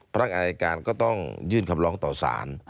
พนักงานในเอกาต้องยื่นคำร้องต่อสาร